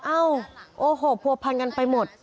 เอ้าโอ้โหผัวพันกันไปหมด